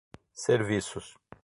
serviços